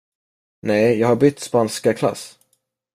Nej, jag har bytt spanskaklass.